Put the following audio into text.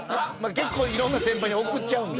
いろんな先輩に送っちゃうんで。